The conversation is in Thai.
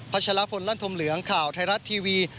ชะลพลลั่นธมเหลืองข่าวไทยรัฐทีวี